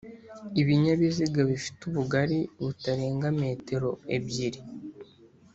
Ibinyabiziga bifite ubugari butarenga metero ebyili